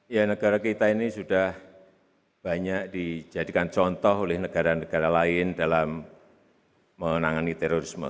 ya negara kita ini sudah banyak dijadikan contoh oleh negara negara lain dalam menangani terorisme